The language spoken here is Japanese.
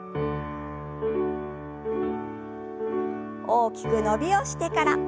大きく伸びをしてから。